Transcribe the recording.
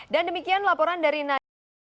dan demikian laporan dari nanda